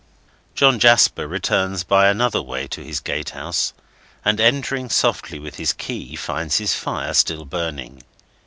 John Jasper returns by another way to his gatehouse, and entering softly with his key, finds his fire still burning.